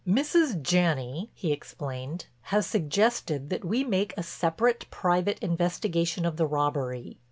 "Mrs. Janney," he explained, "has suggested that we make a separate, private investigation of the robbery.